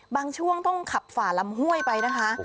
ช่วงต้องขับฝ่าลำห้วยไปนะคะ